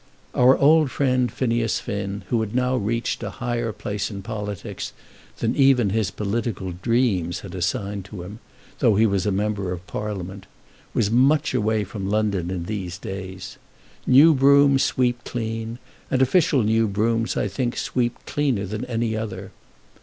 Our old friend Phineas Finn, who had now reached a higher place in politics than even his political dreams had assigned to him, though he was a Member of Parliament, was much away from London in these days. New brooms sweep clean; and official new brooms, I think, sweep cleaner than any other.